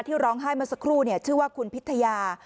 ร้องไห้เมื่อสักครู่ชื่อว่าคุณพิทยา